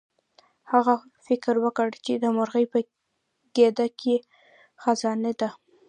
هغه فکر وکړ چې د مرغۍ په ګیډه کې خزانه ده.